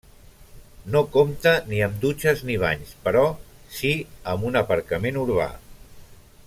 No compta ni amb dutxes ni banys, però sí amb un aparcament urbà.